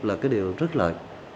là cái điều rất lợi